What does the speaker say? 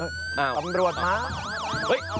กำรวจภาค